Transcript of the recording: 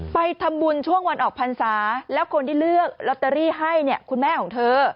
ไปทำบุญช่วงวันออกพรรษาแล้วคนที่เลือกลอตเตอรี่ให้เนี่ยคุณแม่ของเธอ